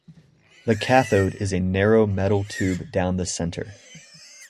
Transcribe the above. The cathode is a narrow metal tube down the center.